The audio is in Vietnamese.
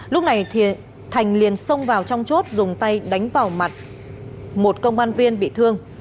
lúc này thì thành liền xông vào trong chốt dùng tay đánh vào mặt một công an viên bị thương